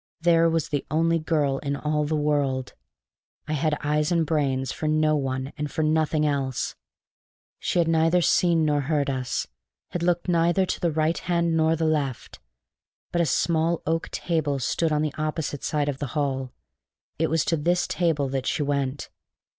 There was the only girl in all the world: I had eyes and brains for no one and for nothing else. She had neither seen nor heard us, had looked neither to the right hand nor the left. But a small oak table stood on the opposite side of the hall; it was to this table that she went.